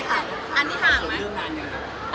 แล้วถึงอันที่ห่างว่า